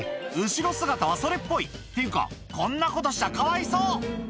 後ろ姿はそれっぽいっていうかこんなことしちゃかわいそう！